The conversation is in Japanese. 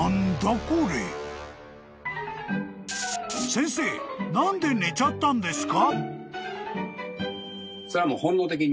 ［先生何で寝ちゃったんですか？］